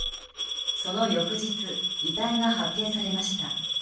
その翌日遺体が発見されました。